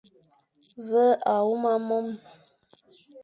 Ve a huma mome.